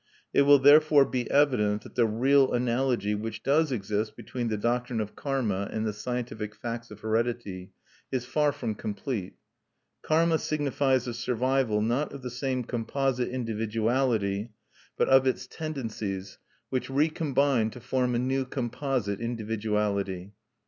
It will therefore be evident that the real analogy which does exist between the doctrine of karma and the scientific facts of heredity is far from complete. Karma signifies the survival, not of the same composite individuality, but of its tendencies, which recombine to form a new composite individuality.